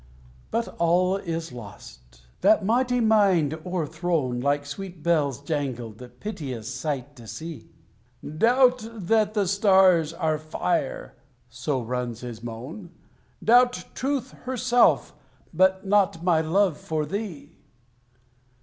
But all is lost: that mighty mind o'erthrown, Like sweet bells jangled, piteous sight to see! "Doubt that the stars are fire," so runs his moan, "Doubt Truth herself, but not my love for thee!"